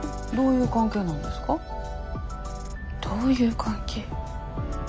どういう関係。